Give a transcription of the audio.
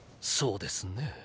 そうですね。